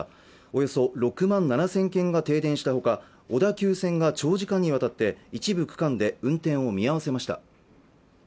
およそ６万７０００軒が停電したほか小田急線が長時間にわたって一部区間で運転を見合わせました